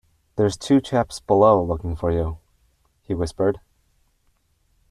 “There’s two chaps below looking for you,” he whispered.